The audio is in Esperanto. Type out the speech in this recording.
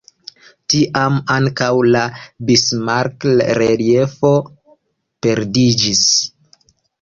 Tiam ankaŭ la Bismarck-reliefo perdiĝis.